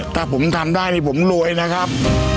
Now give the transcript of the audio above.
ถ้าผมทำได้นี่ผมรวยนะครับ